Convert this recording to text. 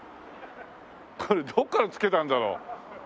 これどこから付けたんだろう？